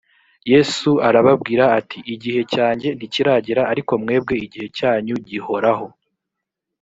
yesu arababwira ati” igihe cyanjye ntikiragera ariko mwebwe igihe cyanyu gihoraho.